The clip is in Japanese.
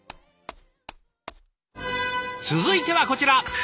続いてはこちら。